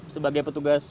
sebagai petugas ppsu